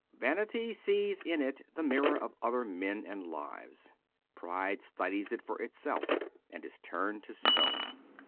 Vanity sees it in the mirror of other men and lives. Pride studies it for itself and is turned to stone.